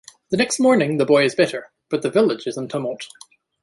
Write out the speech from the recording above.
The next morning, the boy is better but the village is in tumult.